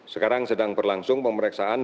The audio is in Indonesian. sekarang sedang berlangsung pemeriksaan